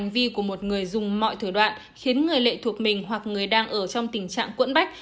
vì của một người dùng mọi thủ đoạn khiến người lệ thuộc mình hoặc người đang ở trong tình trạng cuộn bách